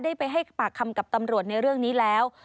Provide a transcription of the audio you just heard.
ไปให้ปากคำกับตำรวจในเรื่องนี้แล้ว